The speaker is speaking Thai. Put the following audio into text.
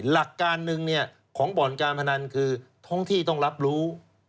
หลักการหนึ่งของบ่อนการพนันคือท้องที่ต้องรับรู้